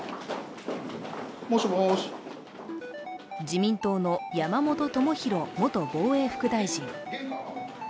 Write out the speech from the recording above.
自民党の山本朋広元防衛副大臣。